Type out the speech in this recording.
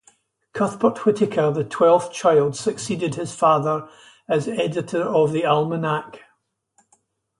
Cuthbert Whitaker, the twelfth child, succeeded his father as editor of the "Almanack".